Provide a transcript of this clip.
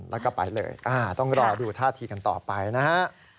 แล้วก็ไปเลยต้องรอดูท่าทีกันต่อไปนะฮะ